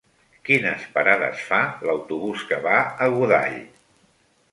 Quines parades fa l'autobús que va a Godall?